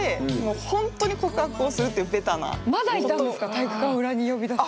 体育館裏に呼び出す。